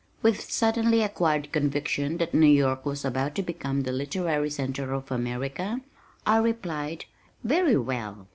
With suddenly acquired conviction that New York was about to become the Literary Center of America, I replied, "Very well.